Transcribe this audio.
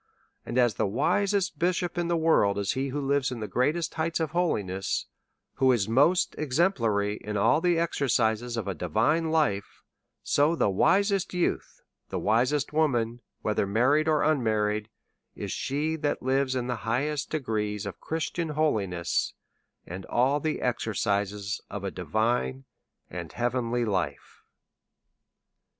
And as the wisest bishop in the world is he who lives in the great est heights of holiness, who is most exemplary in all the exercises of a divine life, so the wisest youth, the wisest woman, whether married or unmarried, is she that lives in the highest degrees of Christian holiness, and all the exercises of a divine and heavenly life.